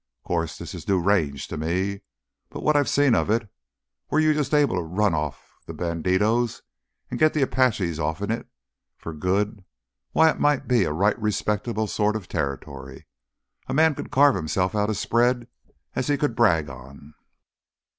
'Course this is new range to me. But what I've seen of it, were you jus' able to run off th' bandidos an' git th' Apaches offen it for good—why, it might be a right respectable sorta territory. A man could carve hisself out a spread as he could brag on."